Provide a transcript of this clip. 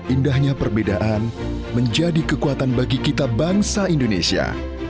indahnya perbedaan menjadi kekuatan bagi kita bangsa indonesia